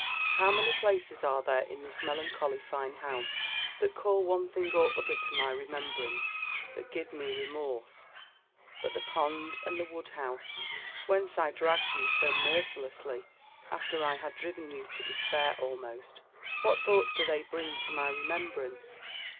How many places are there in this melancholy fine house, that call one thing or other to my remembrance, that give me remorse! But the pond, and the woodhouse, whence I dragged you so mercilously, after I had driven you to despair almost, what thoughts do they bring to my remembrance!